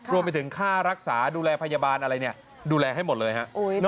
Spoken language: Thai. รวมไปถึงค่ารักษาดูแลพยาบาลอะไรเนี่ยดูแลให้หมดเลยฮะ